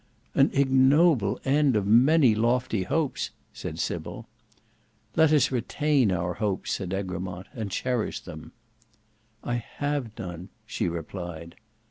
"An ignoble end of many lofty hopes," said Sybil. "Let us retain our hopes," said Egremont, "and cherish them." "I have none," she replied.